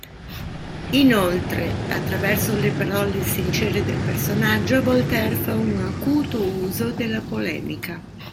Inoltre, attraverso le parole sincere del personaggio, Voltaire fa un acuto uso della polemica.